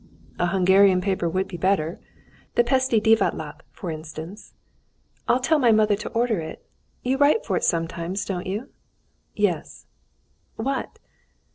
"A Hungarian paper would be better, the Pesti Divatlap, for instance." "I'll tell my mother to order it. You write for it sometimes, don't you?" "Yes." "What?"